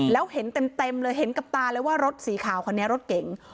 แล้วเห็นเต็มเลยเห็นกับตาเลยว่ารถสีขาวคันนี้รถเก๋ง